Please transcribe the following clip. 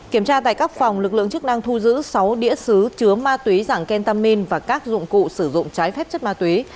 kiểm tra tại các phòng lực lượng chức năng thu giữ sáu đĩa xứ chứa ma túy dạng kentamin và các dụng cụ sử dụng trái phép chất ma túy